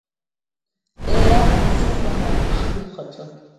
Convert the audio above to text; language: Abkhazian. Еи, арԥыс, иҟоума ухшыҩ ухаҿы.